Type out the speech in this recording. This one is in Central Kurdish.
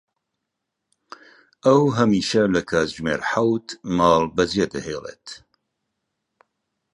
ئەو هەمیشە لە کاتژمێر حەوت ماڵ بەجێ دەهێڵێت.